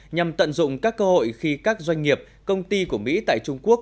nhằm tận dụng các cơ hội khi các doanh nghiệp công ty của mỹ tại trung quốc